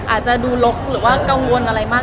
อาจจะดูลกหรือว่ากังวลอะไรมาก